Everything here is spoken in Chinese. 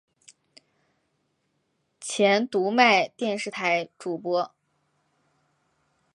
前读卖电视台主播。